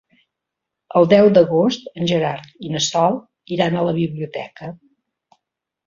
El deu d'agost en Gerard i na Sol iran a la biblioteca.